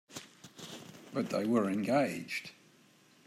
But they were engaged.